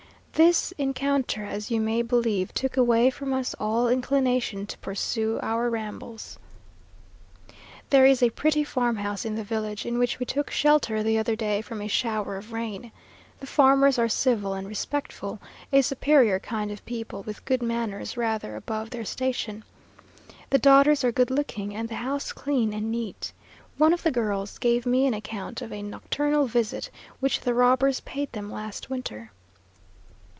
This rencounter, as you may believe, took away from us all inclination to pursue our rambles. There is a pretty farmhouse in the village, in which we took shelter the other day from a shower of rain. The farmers are civil and respectful, a superior kind of people, with good manners rather above their station. The daughters are good looking, and the house clean and neat. One of the girls gave me an account of a nocturnal visit which the robbers paid them last winter.